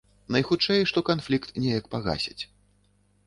Найхутчэй што канфлікт неяк пагасяць.